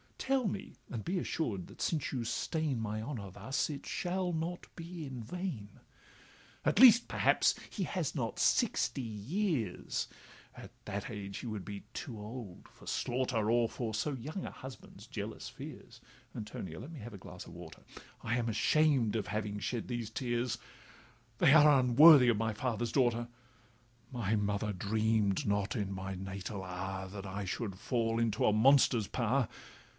Tell me—and be assured, that since you stain My honour thus, it shall not be in vain. 'At least, perhaps, he has not sixty years, At that age he would be too old for slaughter, Or for so young a husband's jealous fears (Antonia! let me have a glass of water). I am ashamed of having shed these tears, They are unworthy of my father's daughter; My mother dream'd not in my natal hour That I should fall into a monster's power.